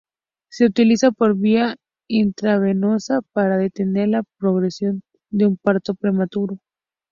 Se utiliza por vía intravenosa para detener la progresión de un parto prematuro.